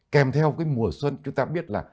kèm theo cái mùa xuân chúng ta biết là